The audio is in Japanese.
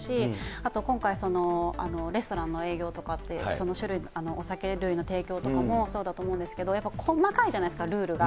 あと今回、レストランの営業とかって、酒類、お酒類の提供とかもそうだと思うんですけど、やっぱり細かいじゃないですか、ルールが。